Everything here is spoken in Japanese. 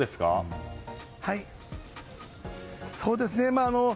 そうですか。